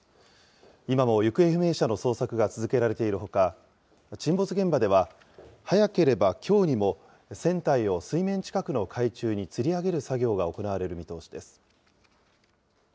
今も行方不明者の捜索が続けられているほか、沈没現場では、早ければきょうにも、船体を水面近くの海中につり上げる作業が行われる見通しです。